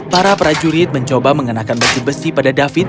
para prajurit mencoba mengenakan besi besi pada david